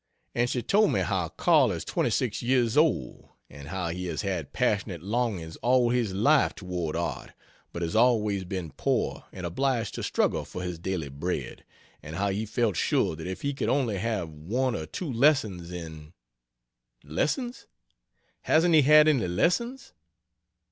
And she told me how "Karl" is 26 years old; and how he has had passionate longings all his life toward art, but has always been poor and obliged to struggle for his daily bread; and how he felt sure that if he could only have one or two lessons in "Lessons? Hasn't he had any lessons?"